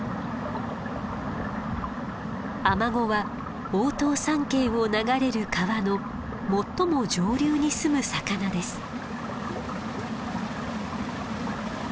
アマゴは大塔山系を流れる川の最も上流に住む魚です。